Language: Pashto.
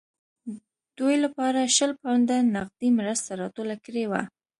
دوی لپاره شل پونډه نغدي مرسته راټوله کړې وه.